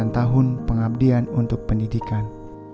enam puluh sembilan tahun pengabdian untuk pendidikan